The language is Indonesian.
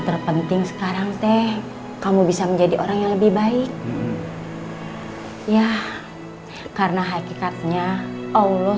terpenting sekarang teh kamu bisa menjadi orang yang lebih baik ya karena hakikatnya allah